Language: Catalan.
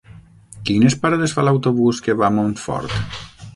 Quines parades fa l'autobús que va a Montfort?